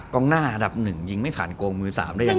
กองหน้าอันดับ๑ยิงไม่ผ่านโกงมือ๓